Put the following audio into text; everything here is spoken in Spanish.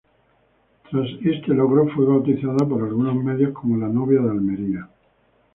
Tras este logro fue bautizada por algunos medios como la Novia de Almería.